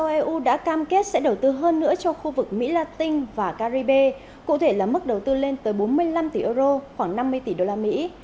eu đã cam kết sẽ đầu tư hơn nữa cho khu vực mỹ la tinh và caribe cụ thể là mức đầu tư lên tới bốn mươi năm tỷ euro khoảng năm mươi tỷ đô la mỹ